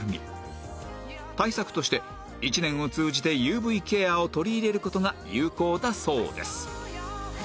対策として１年を通じて ＵＶ ケアを取り入れる事が有効だそうです